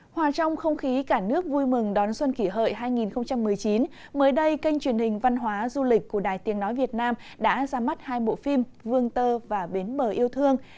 hòa trong không khí cả nước vui mừng đón xuân kỷ hợi hai nghìn một mươi chín mới đây kênh truyền hình văn hóa du lịch của đài tiếng nói việt nam đã ra mắt hai bộ phim vương tơ và bến bờ yêu thương